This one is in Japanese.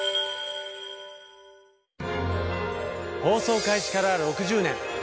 放送開始から６０年。